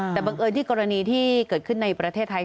แต่บังเอิญที่กรณีที่เกิดขึ้นในประเทศไทย